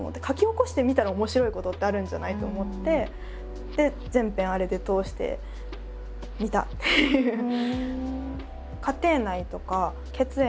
「書き起こしてみたら面白いことってあるんじゃない？」と思って全編あれで通してみたっていう。